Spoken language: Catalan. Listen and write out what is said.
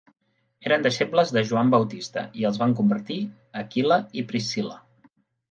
Eren deixebles de Joan Bautista i els van convertir Aquila i Priscilla.